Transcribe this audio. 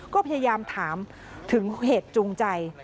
ก็พยายามถามถึงเหตุจูงใจ